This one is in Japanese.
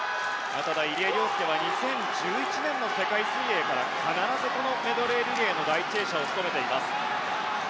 ただ入江陵介は２０１１年の世界水泳から必ずこのメドレーリレーの第１泳者を務めています。